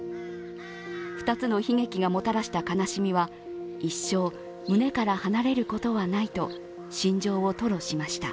２つの悲劇がもたらした悲しみは一生、胸から離れることはないと心情を吐露しました。